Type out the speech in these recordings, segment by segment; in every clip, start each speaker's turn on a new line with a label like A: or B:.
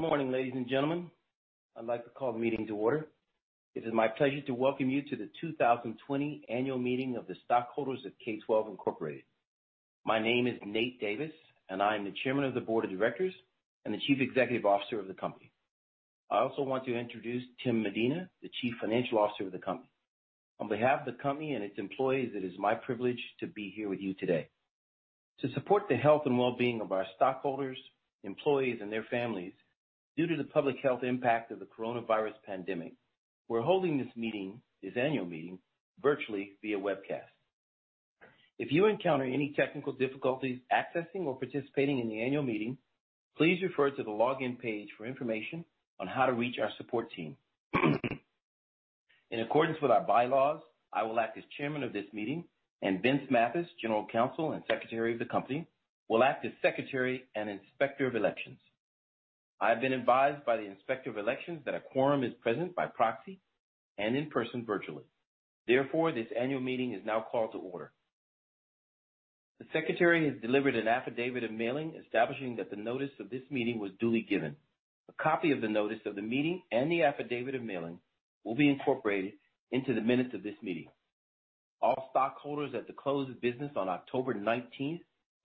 A: Good morning, ladies and gentlemen. I'd like to call the meeting to order. It is my pleasure to welcome you to the 2020 Annual Meeting of the Stockholders of K12 Incorporated. My name is Nate Davis, and I am the Chairman of the Board of Directors and the Chief Executive Officer of the company. I also want to introduce Tim Medina, the Chief Financial Officer of the company. On behalf of the company and its employees, it is my privilege to be here with you today. To support the health and well-being of our stockholders, employees, and their families due to the public health impact of the coronavirus pandemic, we're holding this meeting, this annual meeting, virtually via webcast. If you encounter any technical difficulties accessing or participating in the annual meeting, please refer to the login page for information on how to reach our support team. In accordance with our bylaws, I will act as Chairman of this meeting, and Vince Mathis, General Counsel and Secretary of the company, will act as Secretary and Inspector of Elections. I have been advised by the Inspector of Elections that a quorum is present by proxy and in person virtually. Therefore, this annual meeting is now called to order. The Secretary has delivered an affidavit of mailing establishing that the notice of this meeting was duly given. A copy of the notice of the meeting and the affidavit of mailing will be incorporated into the minutes of this meeting. All stockholders at the close of business on October 19,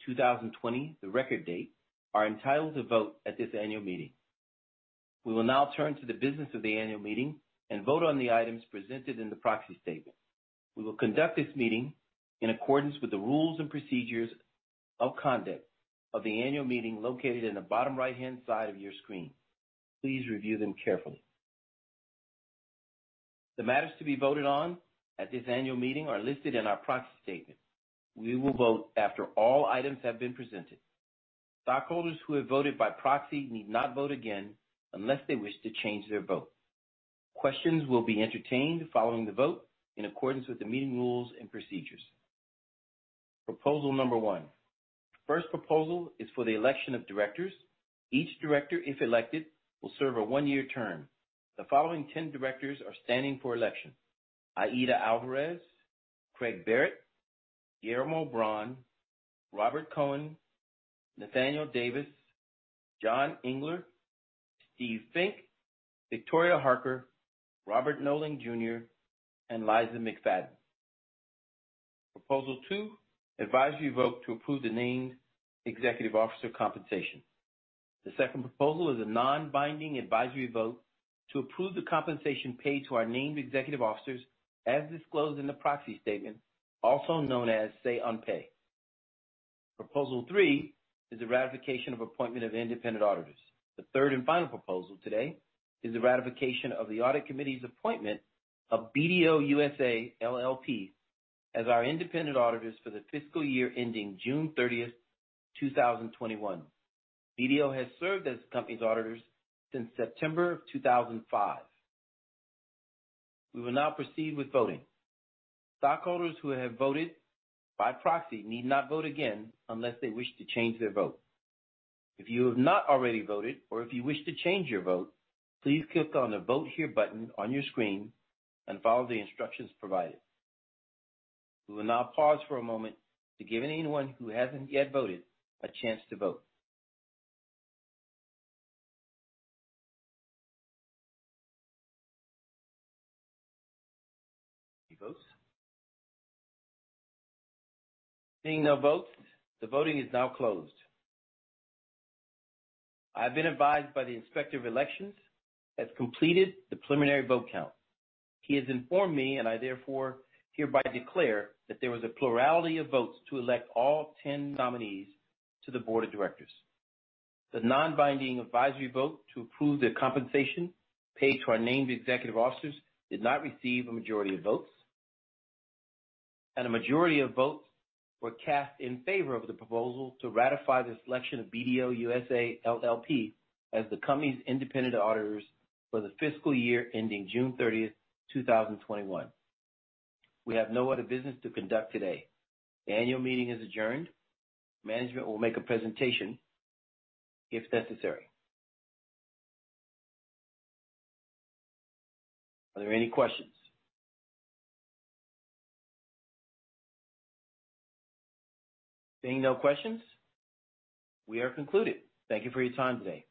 A: 2020, the record date, are entitled to vote at this annual meeting. We will now turn to the business of the annual meeting and vote on the items presented in the proxy statement. We will conduct this meeting in accordance with the rules and procedures of conduct of the annual meeting located in the bottom right-hand side of your screen. Please review them carefully. The matters to be voted on at this annual meeting are listed in our proxy statement. We will vote after all items have been presented. Stockholders who have voted by proxy need not vote again unless they wish to change their vote. Questions will be entertained following the vote in accordance with the meeting rules and procedures. Proposal number one. The first proposal is for the election of directors. Each director, if elected, will serve a one-year term. The following 10 directors are standing for election: Aida Alvarez, Craig Barrett, Guillermo Bron, Robert Cohen, Nathaniel Davis, John Engler, Steve Fink, Victoria Harker, Robert Knowling Jr., and Liza McFadden. Proposal two, advisory vote to approve the named executive officer compensation. The second proposal is a non-binding advisory vote to approve the compensation paid to our named executive officers as disclosed in the proxy statement, also known as Say on Pay. Proposal three is the ratification of appointment of independent auditors. The third and final proposal today is the ratification of the Audit Committee's appointment of BDO USA LLP as our independent auditors for the fiscal year ending June 30, 2021. BDO has served as the company's auditors since September of 2005. We will now proceed with voting. Stockholders who have voted by proxy need not vote again unless they wish to change their vote. If you have not already voted or if you wish to change your vote, please click on the Vote Here button on your screen and follow the instructions provided. We will now pause for a moment to give anyone who hasn't yet voted a chance to vote. Any votes? Seeing no votes, the voting is now closed. I've been advised by the Inspector of Elections that he has completed the preliminary vote count. He has informed me, and I therefore hereby declare that there was a plurality of votes to elect all 10 nominees to the Board of Directors. The non-binding advisory vote to approve the compensation paid to our named Executive Officers did not receive a majority of votes, and a majority of votes were cast in favor of the proposal to ratify the selection of BDO USA LLP as the company's independent auditors for the fiscal year ending June 30, 2021. We have no other business to conduct today. The annual meeting is adjourned. Management will make a presentation if necessary. Are there any questions? Seeing no questions, we are concluded. Thank you for your time today.